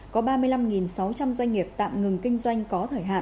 có ba mươi năm sáu trăm linh doanh nghiệp tạm ngừng kinh doanh có thời hạn